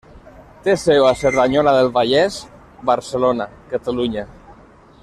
Té seu a Cerdanyola del Vallès, Barcelona, Catalunya.